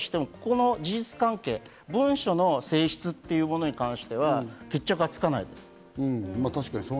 ただそれだとしても、この事実関係、文書の性質に関しては、決着はつかないです。